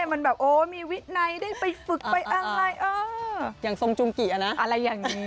อะไรอย่างนี้